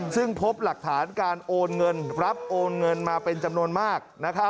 ซึ่งพบหลักฐานการโอนเงินรับโอนเงินมาเป็นจำนวนมาก